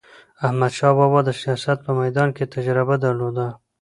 احمدشاه بابا د سیاست په میدان کې تجربه درلوده.